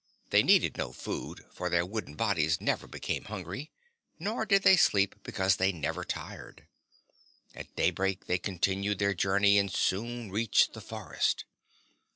They needed no food, for their wooden bodies never became hungry; nor did they sleep, because they never tired. At daybreak they continued their journey and soon reached the forest.